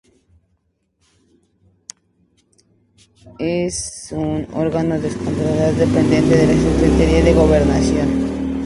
Es un órgano desconcentrado dependiente de la Secretaría de Gobernación.